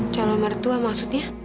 calon mertua maksudnya